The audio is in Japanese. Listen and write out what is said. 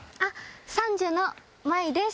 三女の舞衣です。